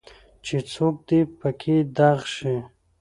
چې څوک دي پکې دغ شي.